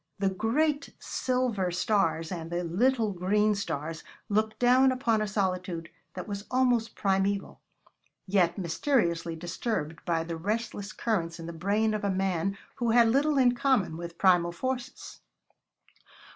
The great silver stars and the little green stars looked down upon a solitude that was almost primeval, yet mysteriously disturbed by the restless currents in the brain of a man who had little in common with primal forces.